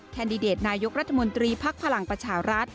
แดดิเดตนายกรัฐมนตรีภักดิ์พลังประชารัฐ